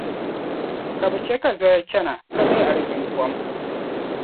Ka bɛ chɛ ka zoya chana, ka leei aliziŋkom.